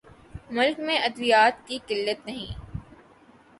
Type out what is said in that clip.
ملک میں ادویات کی قلت نہیں